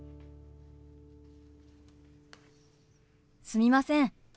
すみません。